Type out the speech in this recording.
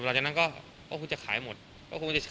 ภายในหนึ่งอาทิตย์โอนเงินประมาณเกือบกับ